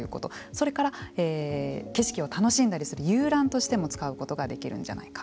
それから、景色を楽しんだりする遊覧としても使うことができるんじゃないか。